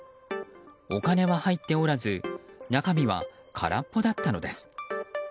お金は入っておらず中身は空っぽだったのです。